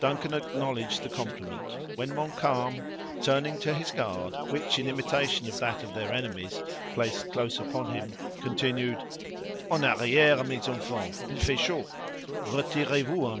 Duncan acknowledged the compliment, when Montcalm, turning to his guard, which in imitation of that of their enemies, pressed close upon him, continued: "En arriere, mes enfants—il fait chaud— retirez vous un peu."